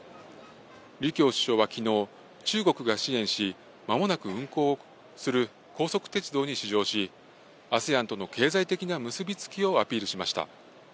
リ・キョウ首相はきのう、中国が支援し、間もなく運行する高速鉄道に試乗し、ＡＳＥＡＮとの経済的な結び付きをアピールしました。